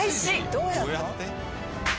どうやって？